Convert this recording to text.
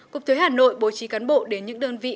cục thuế hà nội bố trí cán bộ đến những đơn vị